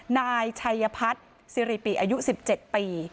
นายชัยพัฒน์สิริปิอายุ๑๗ปี